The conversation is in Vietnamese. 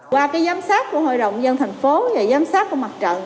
qua cái giám sát của hội đồng nhân thành phố và giám sát của mặt trận